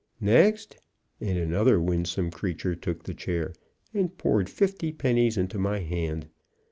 "Next," and another winsome creature took the chair, and poured fifty pennies into my hand.